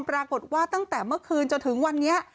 ปรากฏว่าตั้งแต่เมื่อคืนจนถึงวันนี้